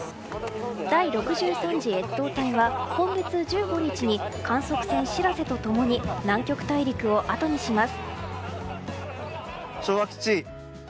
第６３次越冬隊は今月１５日に観測船「しらせ」と共に南極大陸をあとにします。